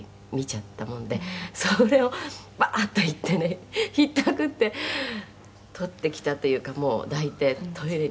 「それをバーッと行ってねひったくってとってきたというかもう抱いてトイレに連れて」